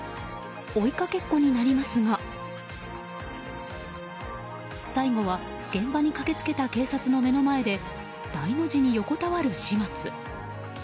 追いかけっこになりますが最後は現場に駆け付けた警察の目の前で大の字に横たわる始末。